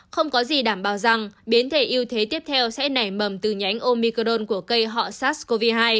không có gì đảm bảo rằng biến thể yêu thế tiếp theo sẽ nảy mầm từ nhánh omicron của cây họ sars cov hai